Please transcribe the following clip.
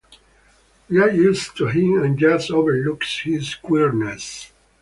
We're used to him and just overlook his queerness.